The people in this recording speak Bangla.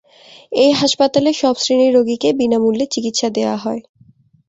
এই হাসপাতালে সব শ্রেণির রোগীকে বিনা মূল্যে চিকিৎসা দেওয়া হয়।